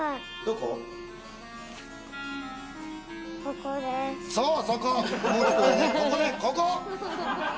ここねここ！